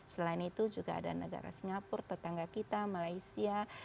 selain itu juga ada negara singapura tetangga kita malaysia